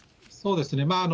そうですね。